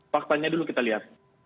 faktanya dulu kita lihat